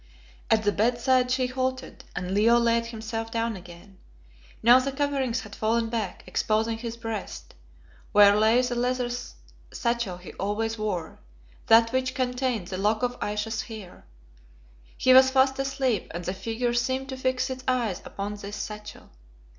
At the bedside she halted, and Leo laid himself down again. Now the coverings had fallen back, exposing his breast, where lay the leather satchel he always wore, that which contained the lock of Ayesha's hair. He was fast asleep, and the figure seemed to fix its eyes upon this satchel.